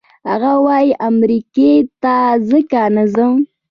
هغه وايي امریکې ته ځکه نه ځم.